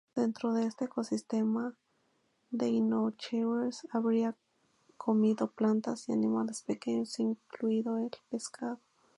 Dentro de este ecosistema, "Deinocheirus" habría comido plantas y animales pequeños, incluido el pescado.